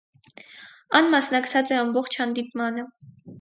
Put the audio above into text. Ան մասնակցած է ամբողջ հանդիպմանը։